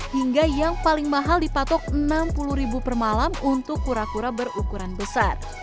hingga yang paling mahal dipatok enam puluh per malam untuk kura kura berukuran besar